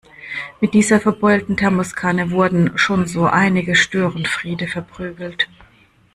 Mit dieser verbeulten Thermoskanne wurden schon so einige Störenfriede verprügelt.